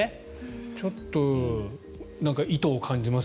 ちょっと意図を感じます。